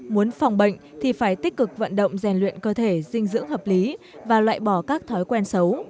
muốn phòng bệnh thì phải tích cực vận động rèn luyện cơ thể dinh dưỡng hợp lý và loại bỏ các thói quen xấu